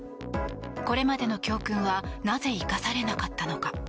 これまでの教訓はなぜ生かされなかったのか。